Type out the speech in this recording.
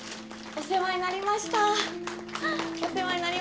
お世話になりました。